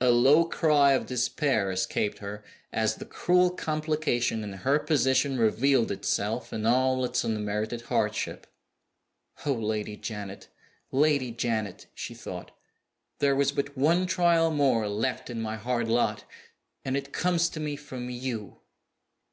A low cry of despair escaped her, as the cruel complication in her position revealed itself in all its unmerited hardship. "Oh, Lady Janet, Lady Janet!" she thought, "there was but one trial more left in my hard lot and it comes to me from _you!